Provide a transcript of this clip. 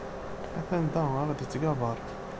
Atan da, aɣ-d ittgabaṛ.